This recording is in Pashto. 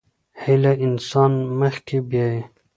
هيله انسان مخکې بيايي.